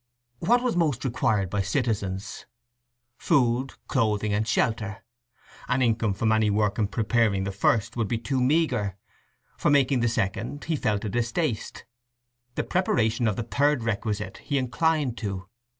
What was most required by citizens? Food, clothing, and shelter. An income from any work in preparing the first would be too meagre; for making the second he felt a distaste; the preparation of the third requisite he inclined to.